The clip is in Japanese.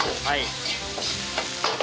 はい。